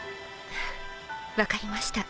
分かりました。